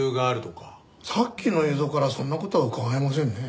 さっきの映像からはそんな事はうかがえませんね。